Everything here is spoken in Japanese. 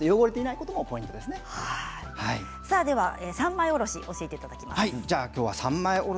三枚おろしを教えていただきます。